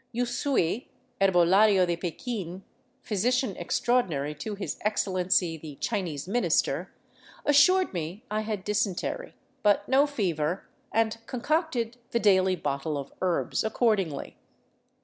" Yu Sui, Herbolario de Pekin, physician extraordinary to his Excellency, the Chinese Minister," assured me I had dysentery, but no fever, and con cocted the daily bottle of herbs accordingly.